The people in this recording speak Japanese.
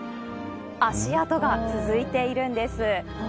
足跡が続いているんです。